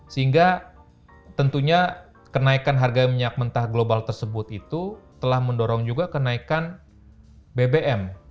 sehingga tentunya kenaikan harga minyak mentah global tersebut itu telah mendorong juga kenaikan bbm